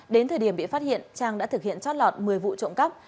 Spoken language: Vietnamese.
đến thời điểm bị phát hiện trang đã thực hiện chót lọt một mươi vụ trộm cắp